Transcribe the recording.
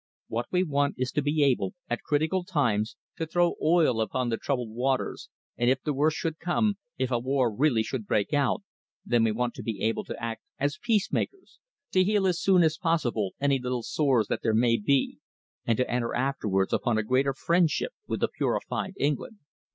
What we want is to be able, at critical times, to throw oil upon the troubled waters, and if the worst should come, if a war really should break out, then we want to be able to act as peacemakers, to heal as soon as possible any little sores that there may be, and to enter afterwards upon a greater friendship with a purified England."